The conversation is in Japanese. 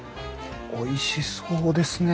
おいしそうですね。